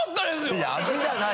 いや味じゃない！